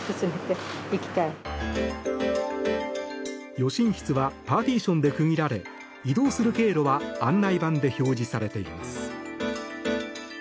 予診室はパーティションで区切られ移動する経路は案内板で表示されています。